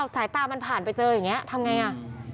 สายตามันผ่านไปเจออย่างนี้ทำไงอ่ะ